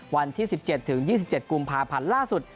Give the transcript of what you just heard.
วันที่๑๗๒๗กุมภาพันธ์ล่าสุด